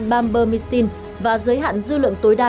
bambermicin và giới hạn dư lượng tối đa